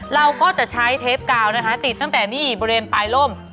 เราก็จะใช้เทปกาวนะคะติดตั้งแต่นี่บริเวณปลายล่ม